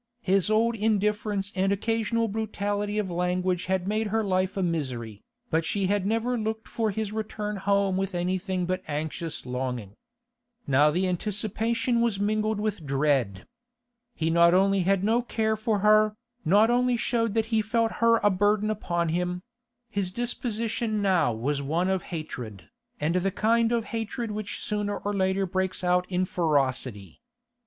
His old indifference and occasional brutality of language had made her life a misery, but she had never looked for his return home with anything but anxious longing. Now the anticipation was mingled with dread. He not only had no care for her, not only showed that he felt her a burden upon him; his disposition now was one of hatred, and the kind of hatred which sooner or later breaks out in ferocity.